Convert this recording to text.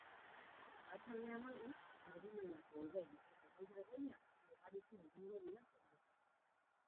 Arratsaldean aldiz, erdi mailako hodei eta goi-hodeiak ugaritu egingo dira zeruan.